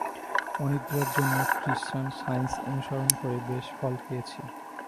অনিদ্রার জন্য Christian science অনুসরণ করে বেশ ফল পেয়েছি।